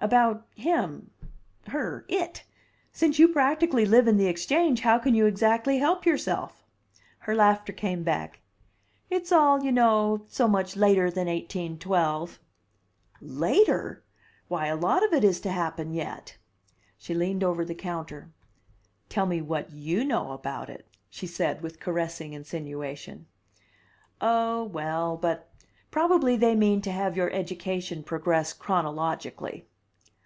"About him her it! Since you practically live in the Exchange, how can you exactly help yourself?" Her laughter came back. "It's all, you know, so much later than 1812." "Later! Why, a lot of it is to happen yet!" She leaned over the counter. "Tell me what you know about it," she said with caressing insinuation. "Oh, well but probably they mean to have your education progress chronologically."